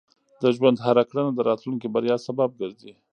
د ژوند هره کړنه د راتلونکي بریا سبب ګرځي.